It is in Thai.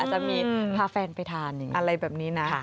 จะมีพาแฟนไปทานอะไรแบบนี้นะ